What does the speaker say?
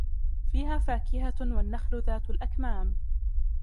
فِيهَا فَاكِهَةٌ وَالنَّخْلُ ذَاتُ الْأَكْمَامِ